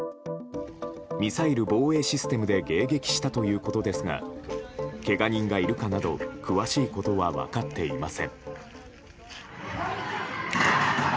ミサイル防衛システムで迎撃したということですがけが人がいるかなど詳しいことは分かっていません。